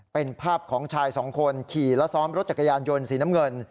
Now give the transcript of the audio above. เป็นภาพของชายสองคนขี่และซ้อมรถจักรยานยนต์สีน้ำเงิน